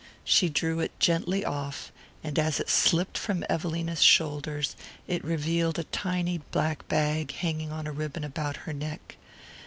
She drew it gently off, and as it slipped from Evelina's shoulders it revealed a tiny black bag hanging on a ribbon about her neck.